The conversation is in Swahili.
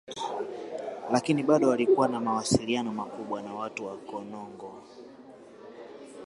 Lakini bado walikuwa na mawasiliano makubwa na watu wa Konongo